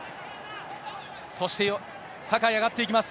そして酒井、上がっていきま